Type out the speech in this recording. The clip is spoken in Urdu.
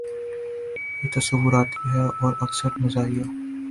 یہ تصوراتی ہے اور اکثر مزاحیہ